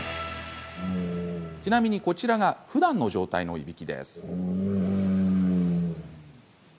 ちなみに、こちらがふだんの状態のいびきです。